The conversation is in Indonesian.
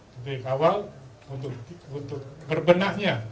titik awal untuk berbenahnya